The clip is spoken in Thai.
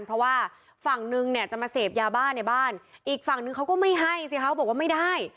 เพราะว่าฝั่งนึงเนี่ยจะมาเสพยาบ้าในบ้านอีกฝั่งนึงเขาก็ไม่ให้สิเขาบอกว่าไม่ได้